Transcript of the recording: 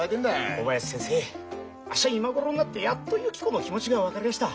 「小林先生あっしは今頃になってやっとゆき子の気持ちが分かりやした。